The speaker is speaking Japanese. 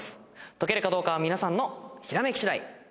解けるかどうかは皆さんのひらめき次第。